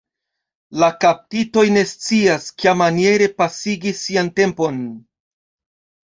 La kaptitoj ne scias, kiamaniere pasigi sian tempon.